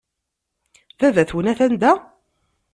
Baba-twen atan da?